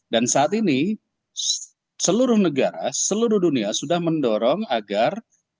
dan saat ini seluruh negara seluruh dunia sudah mendorong agar